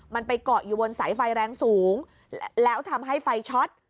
มันไปเกาะอยู่บนสายไฟแรงสูงแล้วทำให้ไฟช็อต